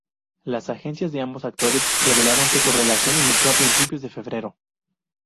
Las agencias de ambos actores revelaron que su relación inició a principios de febrero.